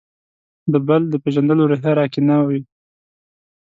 د «بل» د پېژندلو روحیه راکې نه وي.